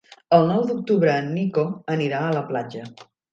El nou d'octubre en Nico anirà a la platja.